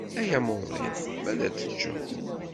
Ay amuḍin ma ad teččeḍ.